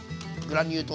グラニュー。